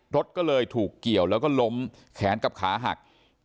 รถก็เลยถูกเกี่ยวแล้วก็ล้มแขนกับขาหัก